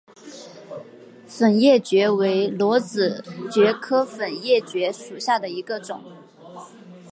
粉叶蕨为裸子蕨科粉叶蕨属下的一个种。